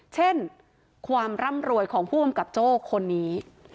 เช่นความร่ำรวยของผู้กำกับโจ้คนนี้